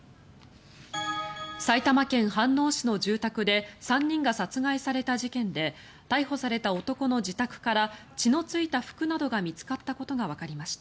埼玉県飯能市の住宅で３人が殺害された事件で逮捕された男の自宅から血のついた服などが見つかったことがわかりました。